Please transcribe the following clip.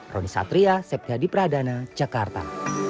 roni satria septya di pradana jakarta